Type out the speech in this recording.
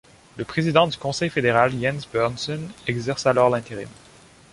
Le président du Conseil fédéral Jens Böhrnsen exerce alors l'intérim.